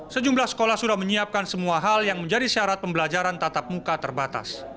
sejumlah sekolah sudah menyiapkan semua hal yang menjadi syarat pembelajaran tatap muka terbatas